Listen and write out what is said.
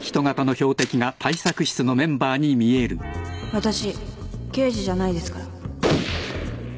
わたし刑事じゃないですから